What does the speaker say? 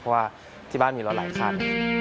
เพราะว่าที่บ้านมีเราหลายคัน